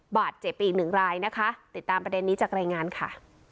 บาดเจ็บไปอีกหนึ่งรายนะคะติดตามประเด็นนี้จากรายงานค่ะ